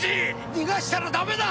逃がしたらダメだ！